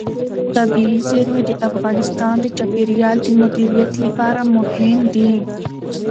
طبیعي زیرمې د افغانستان د چاپیریال د مدیریت لپاره مهم دي.